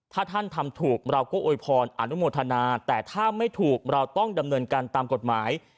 ถ้าท่านทำถูกเราก็โวยพรอนุโมทนาแต่ถ้าไม่ถูกเราต้องดำเนินการตามกฎหมาย